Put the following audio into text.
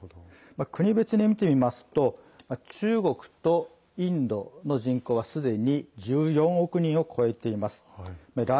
国別に見てみますと中国とインドの人口はすでに１４億人を超えています。